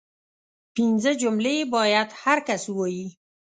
پنځه جملې باید هر کس ووايي